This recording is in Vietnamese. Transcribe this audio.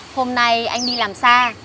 hôm nay anh đi làm xa